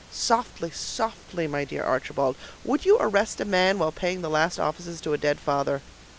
"Softly, softly, my dear Archibald. Would you arrest a man while paying the last offices to a dead father?